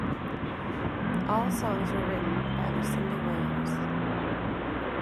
All songs were written by Lucinda Williams.